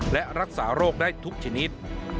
และรักษาโรคได้ทุกชนิด